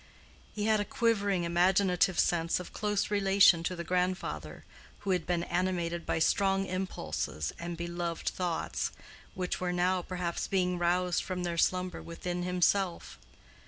He had a quivering imaginative sense of close relation to the grandfather who had been animated by strong impulses and beloved thoughts, which were now perhaps being roused from their slumber within himself.